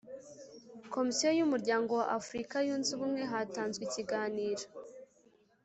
Komisiyo y umuryango wa afurika yunze ubumwe hatanzwe ikiganiro